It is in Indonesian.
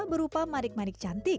berupa manik manik cantik